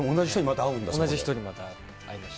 同じ人にまた会いました。